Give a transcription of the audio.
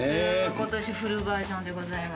今年フルバージョンでございます。